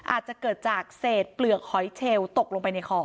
อาจจะเกิดจากเศษเปลือกหอยเชลตกลงไปในคอ